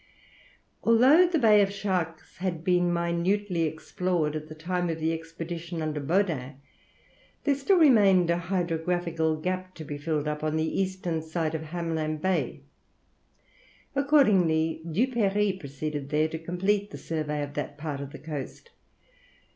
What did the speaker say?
Although the Bay of Sharks had been minutely explored at the time of the expedition under Baudin, there still remained a hydrographical gap to be filled up on the eastern side of Hamelin Bay. Accordingly Duperrey proceeded there to complete the survey of that part of the coast.